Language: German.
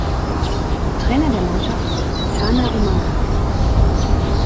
Trainer der Mannschaft ist Tana Umaga.